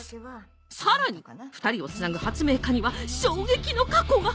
さらに２人をつなぐ発明家には衝撃の過去が！